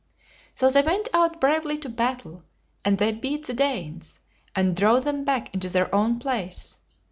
So they went out bravely to battle; and they beat the Danes, and drove them back into their own place.